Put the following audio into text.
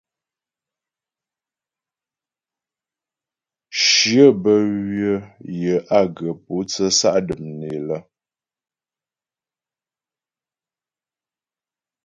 Shyə bə́ ywə̌ yə á ghə pǒtsə sa' dəm né lə.